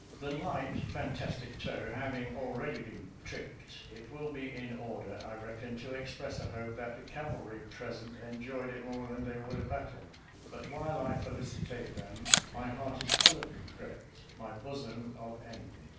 The " light, fantastic toe " having already been " tripped," it will be in order, I reckon, to express a hope that the cavalry present enjoyed it more than they would a battle. But while I felicitate them, my heart is full of regret; my bosom, of envy.